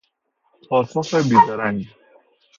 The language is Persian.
پاسخ بی درنگ